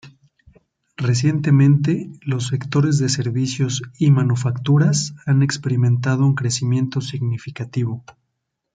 Recientemente, los sectores de servicios y manufacturas han experimentado un crecimiento significativo.